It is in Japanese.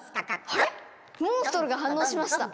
あれっモンストロが反応しました。